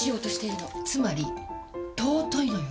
つまり尊いのよ！